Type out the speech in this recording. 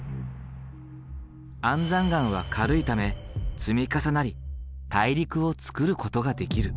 安山岩は軽いため積み重なり大陸をつくることができる。